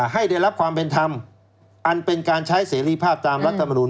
ให้ได้รับความเป็นธรรมอันเป็นการใช้เสรีภาพตามรัฐมนุน